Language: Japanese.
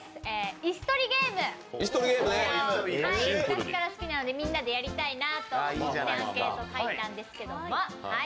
椅子取りゲーム、昔から好きなのでみんなでやりたいなと思ってアンケートに書いたんですけど。